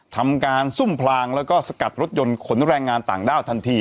ทำการซุ่มพลางแล้วก็สกัดรถยนต์ขนแรงงานต่างด้าวทันที